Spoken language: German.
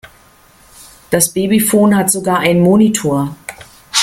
Das Babyphon hat sogar einen Monitor.